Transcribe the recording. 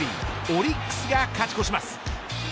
オリックスが勝ち越します。